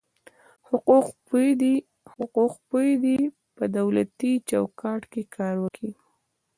حقوق پوه دي په دولتي چوکاټ کي کار وکي.